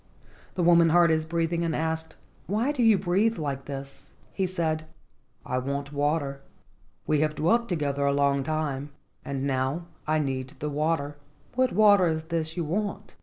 The woman heard his breathing, and asked, "Why do you breathe like this?" He said: "I want water. We have dwelt together a long time and now I need the water." "What water is this you want?"